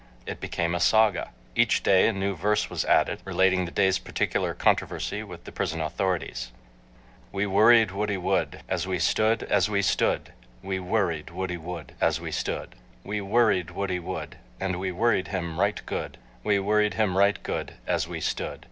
It became a saga. Each day a new verse was added, relating the day's particular controversy with the prison authorities. We worried Woody wood, As we stood, as we stood, We worried Woody wood, As we stood. We worried Woody wood, And we worried him right good; We worried him right good as we stood.